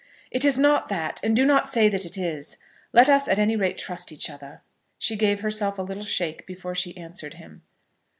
"It is not that, and do not say that it is. Let us at any rate trust each other." She gave herself a little shake before she answered him.